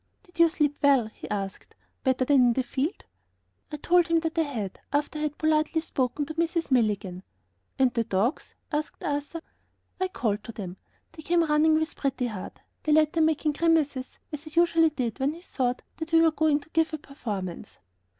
"Did you sleep well?" he asked, "better than in the field?" I told him that I had, after I had politely spoken to Mrs. Milligan. "And the dogs?" asked Arthur. I called to them; they came running up with Pretty Heart; the latter making grimaces as he usually did when he thought that we were going to give a performance.